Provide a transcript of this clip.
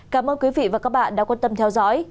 cảm ơn quý vị và các bạn đã quan tâm theo dõi